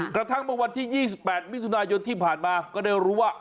กระทั่งเมื่อวันที่๒๘มิถุนายนที่ผ่านมาก็ได้รู้ว่า